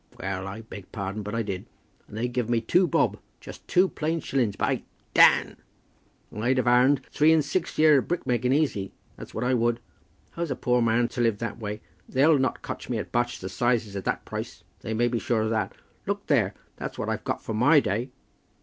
"Well; I beg pardon, but I did. And they guv' me two bob; just two plain shillings, by " "Dan!" "And I'd 've arned three and six here at brickmaking easy; that's what I would. How's a poor man to live that way? They'll not cotch me at Barchester 'Sizes at that price; they may be sure of that. Look there, that's what I've got for my day."